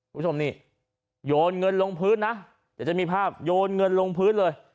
คุณผู้ชมนี่โยนเงินลงพื้นนะเดี๋ยวจะมีภาพโยนเงินลงพื้นเลย